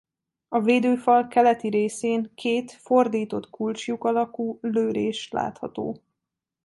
A védőfal keleti részén két fordított kulcslyuk alakú lőrés látható.